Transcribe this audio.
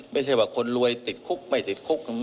ไม่ใช่ว่าคนรวยติดคุกไม่ติดคุก